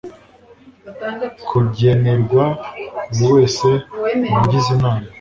kugenerwa buri wese mu bagize inama